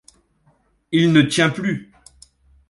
Il ne tient plus.